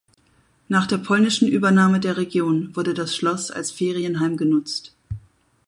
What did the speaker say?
Nach der polnischen Übernahme der Region wurde das Schloss als Ferienheim genutzt.